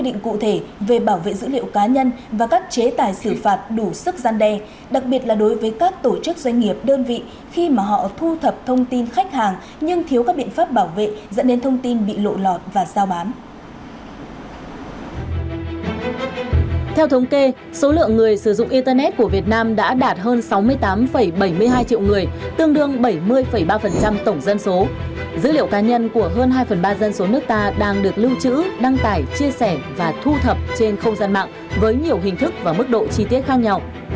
dữ liệu cá nhân của hơn hai phần ba dân số nước ta đang được lưu trữ đăng tải chia sẻ và thu thập trên không gian mạng với nhiều hình thức và mức độ chi tiết khác nhau